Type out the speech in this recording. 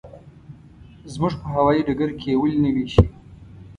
زموږ په هوايي ډګر کې یې ولې نه وېشي.